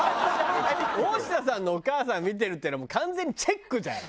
大下さんのお母さん見てるっていうのもう完全にチェックじゃん。